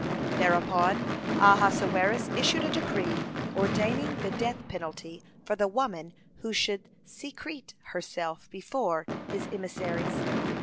Thereupon Ahasuerus issued a decree ordaining the death penalty for the woman who should secrete herself before his emissaries.